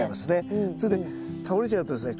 それで倒れちゃうとですね